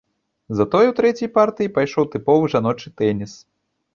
Затое ў трэцяй партыі пайшоў тыповы жаночы тэніс.